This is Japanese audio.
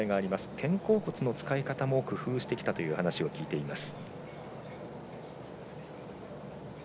肩甲骨の使い方も工夫してきたという話を聞いています。